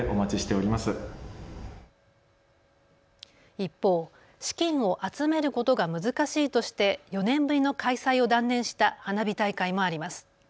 一方、資金を集めることが難しいとして４年ぶりの開催を断念した花火大会もあります。